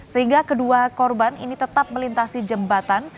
sehingga kedua korban ini tetap melintasi jembatan